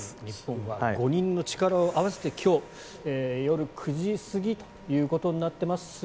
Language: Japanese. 日本は５人の力を合わせて今日夜９時過ぎということになっています。